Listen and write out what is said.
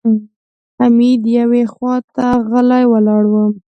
حميد يوې خواته غلی ولاړ و.